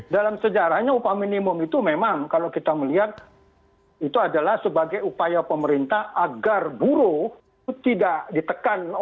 dalam sejarahnya upah minimum itu memang kalau kita melihat itu adalah sebagai upaya pemerintah agar buruh itu tidak ditekan